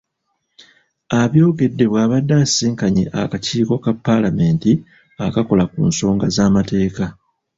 Abyogedde bw'abadde asisinkanye akakiiko ka Paalamenti akakola ku nsonga z'amateeka.